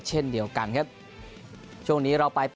เช่นเดียวกันครับช่วงนี้เราไป